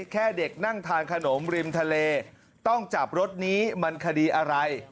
แค่เด็กนั่งทานขนมริมทะเลต้องจับรถนี้มันคดีอะไร